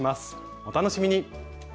お楽しみに！